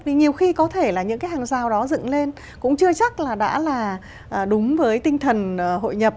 thì nhiều khi có thể là những cái hàng rào đó dựng lên cũng chưa chắc là đã là đúng với tinh thần hội nhập